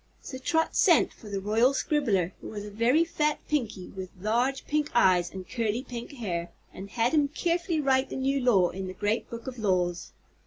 So Trot sent for the Royal Scribbler, who was a very fat Pinky with large pink eyes and curly pink hair, and had him carefully write the new law in the Great Book of Laws.